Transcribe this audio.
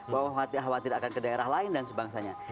bahwa khawatir akan ke daerah lain dan sebangsanya